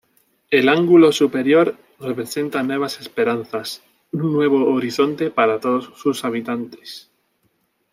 El ángulo superior, representa nuevas esperanzas, un nuevo horizonte para todos sus habitantes.